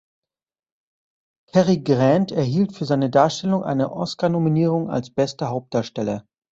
Cary Grant erhielt für seine Darstellung eine Oscarnominierung als bester Hauptdarsteller.